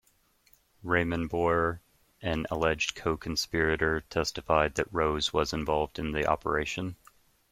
Raymond Boyer, an alleged co-conspirator, testified that Rose was involved in the operation.